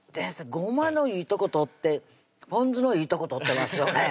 ごまのいいとこ取ってポン酢のいいとこ取ってますよね